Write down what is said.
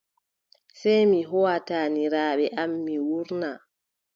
Sey mi hooʼa taaniraaɓe am, mi wuurna.